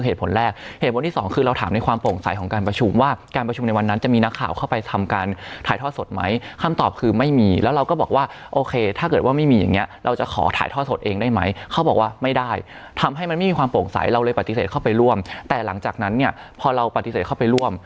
แต่หลังจากนั้นเนี่ยพอเราปฏิเสธเข้าไปร่วม